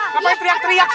ngapain teriak teriak sih